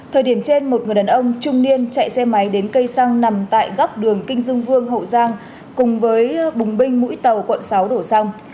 thời điểm trên một người đàn ông trung niên chạy xe máy đến cây xăng nằm tại góc đường kinh dương vương hậu giang cùng với bùng binh mũi tàu quận sáu đổ xăng